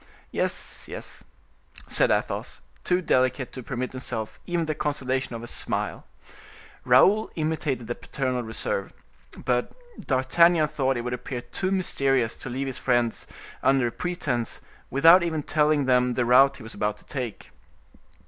"Yes, yes," said Athos, too delicate to permit himself even the consolation of a smile. Raoul imitated the paternal reserve. But D'Artagnan thought it would appear too mysterious to leave his friends under a pretense, without even telling them the route he was about to take.